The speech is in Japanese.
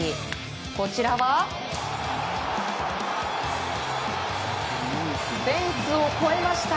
こちらはフェンスを越えました。